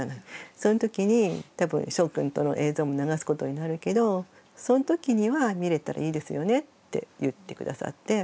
そのときに多分しょうくんとの映像も流すことになるけどそのときには見れたらいいですよねって言って下さって。